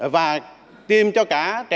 và tiêm cho cả trẻ